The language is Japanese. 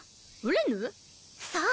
そう！